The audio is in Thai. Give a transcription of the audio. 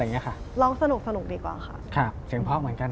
หลังจากนี้ขอให้ประสบความสำเร็จในหน้าที่การงานแล้วก็ทุกสิ่งที่ข้าดหวังนะครับ